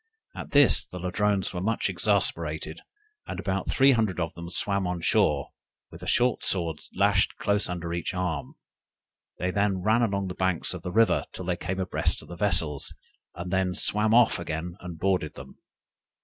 At this the Ladrones were much exasperated, and about three hundred of them swam on shore, with a short sword lashed close under each arm; they then ran along the banks of the river till they came abreast of the vessels, and then swam off again and boarded them.